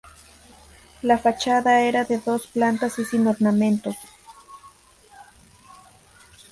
La fachada era de dos plantas y sin ornamentos.